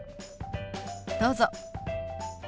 どうぞ。